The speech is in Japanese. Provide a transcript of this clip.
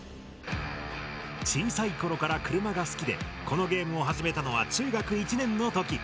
小さい頃から車が好きでこのゲームを始めたのは中学１年の時。